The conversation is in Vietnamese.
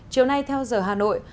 chiều nay theo giờ hà nội